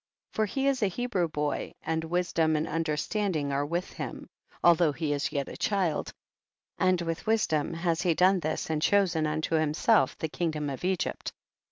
7. For he is a Hebrew boy, and wisdom and understanding are with him, although he is yet a child, and with wisdom has he done this and chosen unto himself the kingdom of Egypt.